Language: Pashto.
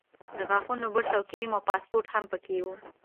د غاښونو برس او کریم او پاسپورټ هم په کې وو.